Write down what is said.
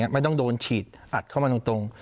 ไม่ต้องโดนฉีดอัดเข้ามาตรง